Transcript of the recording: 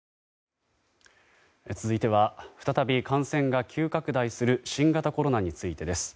続いては再び感染が急拡大する新型コロナについてです。